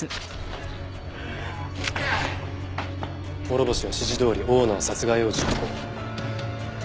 諸星は指示どおりオーナー殺害を実行。